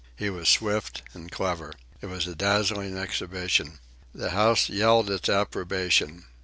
He was swift and clever. It was a dazzling exhibition. The house yelled its approbation.